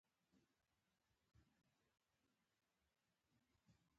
د ژرۍ کلی موقعیت